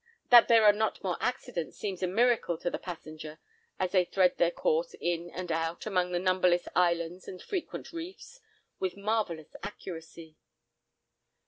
That there are not more accidents seems a miracle to the passenger, as they thread their course in and out, among the numberless islands and frequent reefs, with marvellous accuracy.